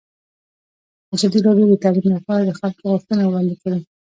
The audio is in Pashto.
ازادي راډیو د تعلیم لپاره د خلکو غوښتنې وړاندې کړي.